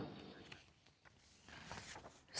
แต่โอกาสที่จะก่อเลือบมันน้อยมาก